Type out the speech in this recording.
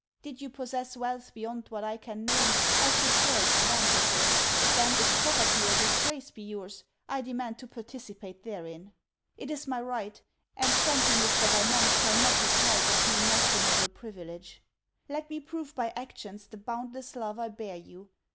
Did you possess wealth beyond what I can name, I should share its advantages; then if poverty or disgrace be your's, I demand to participate therein. It is my right; and twenty Mr. Valmonts shall not deprive of the inestimable privilege. Let me prove by actions the boundless love I bear you.